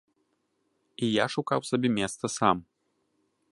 І я шукаў сабе месца сам.